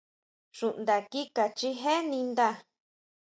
Xuʼnda kika chijé ninda.